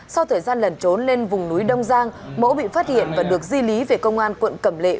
sau thời gian lẩn trốn lên vùng núi đông giang mẫu bị phát hiện và được di lý về công an quận cẩm lệ